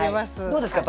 どうですか？